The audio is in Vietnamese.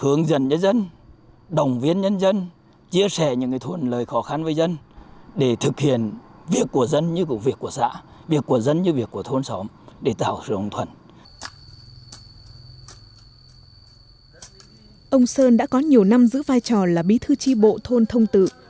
ông sơn đã có nhiều năm giữ vai trò là bí thư tri bộ thôn thông tự